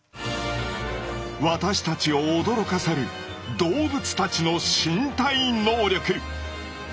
私たちを驚かせる動物たちの身体能力。